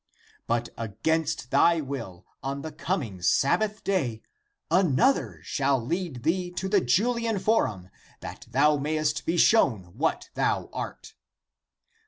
But against thy will, on the coming Sabbath day, another shall lead thee to the Julian forum that thou mayest be shown what thou art.